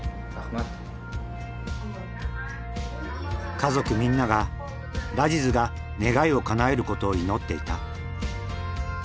家族みんながラジズが願いをかなえることを祈っていた。